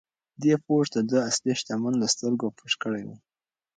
دې پوښ د ده اصلي شتمني له سترګو پټه کړې وه.